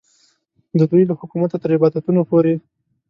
د دوی له حکومته تر عبادتونو پورې.